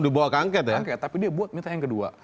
dibawa ke angket ya tapi dia buat minta yang kedua